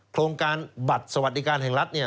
โครงการบัตรสวัสดิการแห่งรัฐเนี่ย